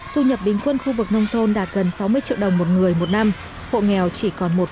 thu nhập bình quân khu vực nông thôn đạt gần sáu mươi triệu đồng một người một năm hộ nghèo chỉ còn một năm